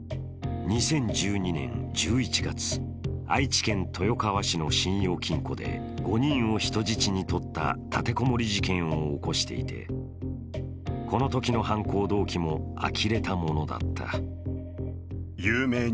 ２０１２年１１月、愛知県豊川市の信用金庫で５人を人質に取った立てこもり事件を起こしていてこのときの犯行動機もあきれたものだった。